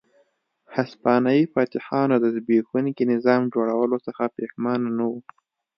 هسپانوي فاتحانو د زبېښونکي نظام جوړولو څخه پښېمانه نه وو.